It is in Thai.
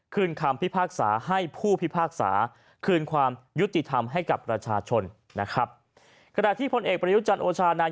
คืนคำพิพากษาให้ผู้พิพากษาคืนความยุติธรรมให้กับราชาชน